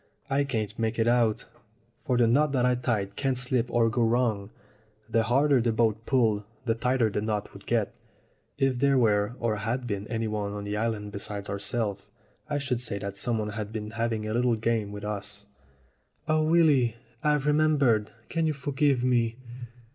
I can't make it out, for the knot that I tied can't slip or go wrong. The harder the boat pulled the tighter the knot would get. If there were or had been LOVERS ON AN ISLAND 257 anyone on the island besides ourselves, I should say that someone had been having a little game with us." "Oh, Willy! I've remembered. Can you forgive me?"